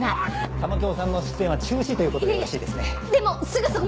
玉響さんの出演は中止ということでよろしいですね。